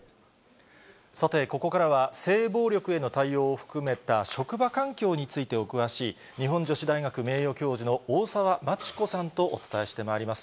ここからは、性暴力への対応を含めた職場環境についてお詳しい、日本女子大学名誉教授の大沢真知子さんとお伝えしてまいります。